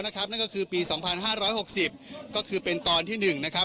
นั่นก็คือปี๒๕๖๐ก็คือเป็นตอนที่๑นะครับ